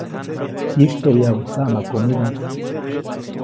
ʼYistyoʼbyaʼuŋ tsaʼmakomidaʼm.